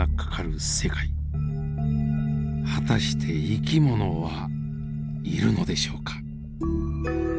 果たして生き物はいるのでしょうか？